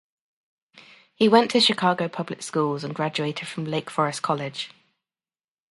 He went to the Chicago public schools and graduated from Lake Forest College.